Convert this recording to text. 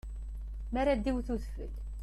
Mi ara d-iwwet udfel.